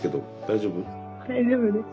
大丈夫です。